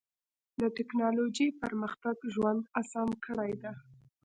د ټکنالوجۍ پرمختګ ژوند اسان کړی دی.